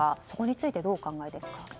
そこについてどうお考えですか。